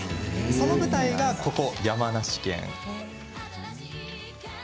その舞台が、ここ山梨県。